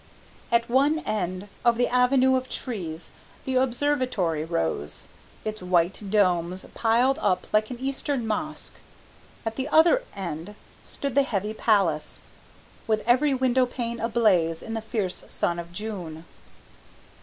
At one end of the avenue of trees the Observatory rose, its white domes piled up like an eastern mosque; at the other end stood the heavy palace, with every window pane ablaze in the fierce sun of June.